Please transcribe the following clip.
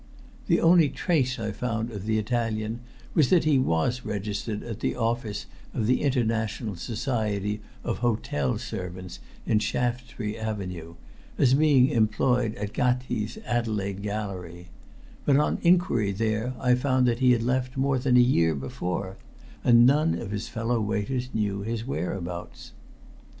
The only trace I found of the Italian was that he was registered at the office of the International Society of Hotel Servants, in Shaftesbury Avenue, as being employed at Gatti's Adelaide Gallery, but on inquiry there I found he had left more than a year before, and none of his fellow waiters knew his whereabouts.